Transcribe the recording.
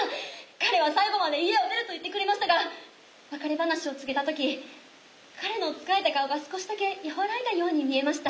彼は最後まで家を出ると言ってくれましたが別れ話を告げた時彼の疲れた顔が少しだけ和らいだように見えました。